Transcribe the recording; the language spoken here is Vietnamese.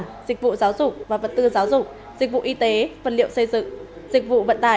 dịch vụ giáo dục và vật tư giáo dục dịch vụ y tế vật liệu xây dựng dịch vụ vận tải